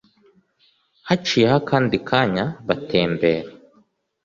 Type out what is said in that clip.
Haciyeho akandi kanya batembera